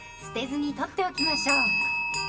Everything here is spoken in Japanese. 捨てずに取っておきましょう。